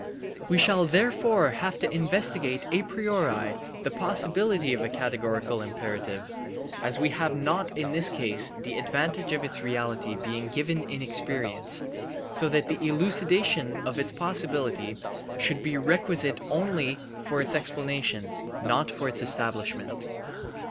We shall therefore have to investigate a priori the possibility of a categorical imperative, as we have not in this case the advantage of its reality being given in experience, so that [the elucidation of] its possibility should be requisite only for its explanation, not for its establishment.